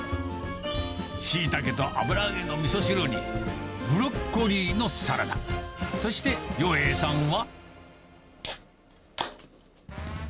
シイタケと油揚げのみそ汁に、ブロッコリーのサラダ、そして了瑛さんは。